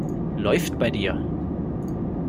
Läuft bei dir.